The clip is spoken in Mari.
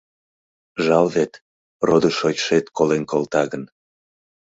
— Жал вет — родо-шочшет колен колта гын.